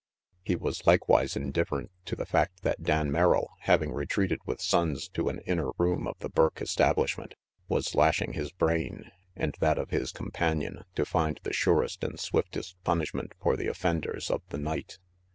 He was likewise indifferent to the fact that Dan Merrill, having retreated with Sonnes to an inner room of the Burke establishment, was lashing his brain and that of his companion to find the surest and swiftest punishment for the offenders of the night.